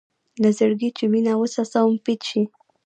له زړګي چې وينه وڅڅوم بېت شي.